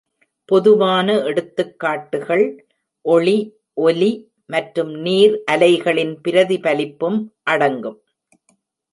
பொதுவான எடுத்துக்காட்டுகள் ஒளி, ஒலி மற்றும் நீர் அலைகளின் பிரதிபலிப்பும் அடங்கும்.